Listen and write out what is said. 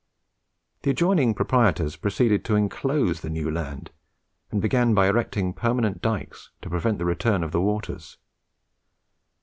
The adjoining proprietors proceeded to enclose the new land, and began by erecting permanent dykes to prevent the return of the waters.